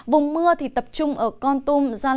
vùng mưa thì tập trung ở con tum